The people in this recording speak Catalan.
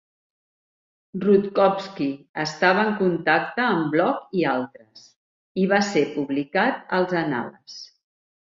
Rutkowski estava en contacte amb Bloch i altres, i va ser publicat als Annales.